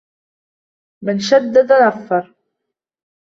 مَنْ شَدَّدَ نَفَّرَ